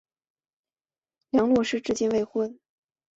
梁洛施至今未婚。